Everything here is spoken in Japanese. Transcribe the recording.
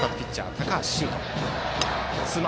高橋秀斗。